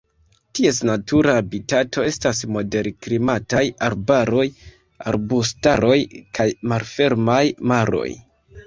Ties natura habitato estas moderklimataj arbaroj, arbustaroj, kaj malfermaj maroj.